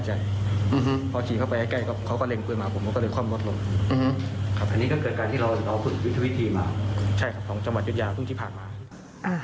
ใช่ครับของจังหวัดยุทยาพึ่งที่ผ่านมา